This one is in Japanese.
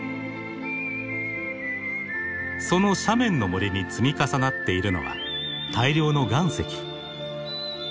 その斜面の森に積み重なっているのは大量の岩石。